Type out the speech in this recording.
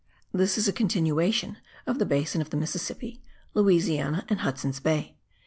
This is a continuation of the basin of the Mississippi, Louisiana and Hudson's Bay.